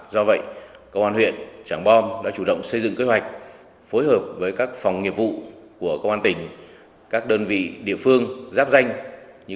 do vậy công an huyện trảng bom đã chủ động xây dựng kế hoạch phối hợp với các phòng nghiệp vụ của công an tỉnh các đơn vị địa phương giáp danh